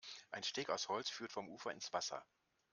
Ein Steg aus Holz führt vom Ufer ins Wasser.